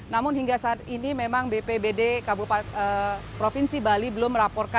namun hingga saat ini memang bpbd kabupaten provinsi bali belum melaporkan